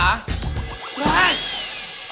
แม้ฌ